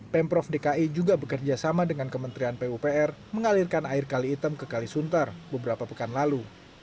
pemprov dki juga bekerja sama dengan kementerian pupr mengalirkan air kali hitam ke kalisuntar beberapa pekan lalu